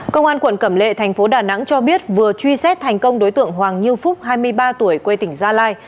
công an quận cẩm lệ thành phố đà nẵng cho biết vừa truy xét thành công đối tượng hoàng như phúc hai mươi ba tuổi quê tỉnh gia lai